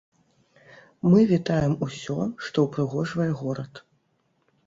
Мы вітаем усё, што ўпрыгожвае горад.